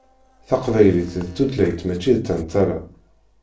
Taqbaylit d tutlayt mačči d tantala.